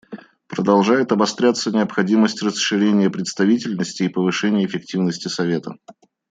Продолжает обостряться необходимость расширения представительности и повышения эффективности Совета.